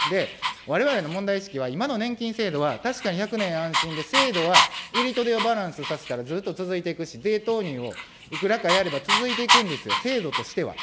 われわれの問題意識は、今の年金制度は確かに１００年安心で、制度は入りと出のバランスを考えたらずっと続いていくし、税投入をいくらかやれば制度としては続いていくんですよ。